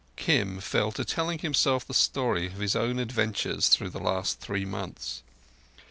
Kim fell to telling himself the story of his own adventures through the last three months.